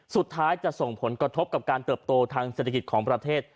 สุดท้ายจะส่งผลกระทบกับการเติบโตทางเศรษฐกิจของประเทศ